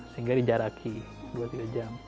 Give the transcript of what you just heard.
sehingga dijaraki dua tiga jam